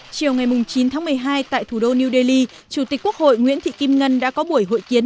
chiều ngày chín tháng một mươi hai tại thủ đô new delhi chủ tịch quốc hội nguyễn thị kim ngân đã có buổi hội kiến